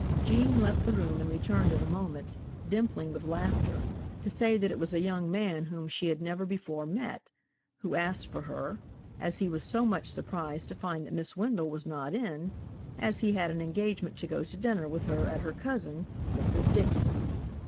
Gene left the room and returned in a moment, dimpling with laughter, to say that it was a young man whom she had never before met, who asked for her, as he was so much surprised to find that Miss Wendell was not in, as he had an engagement to go to dinner with her at her cousin, Mrs. Dickey's.